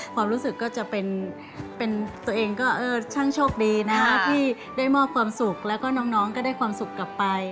ความรู้สึกก็จะเป็นตัวเองก็ช่างโชคดีนะที่ได้มอบความสุขแล้วก็น้องก็ได้ความสุขกลับไป